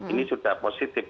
ini sudah positif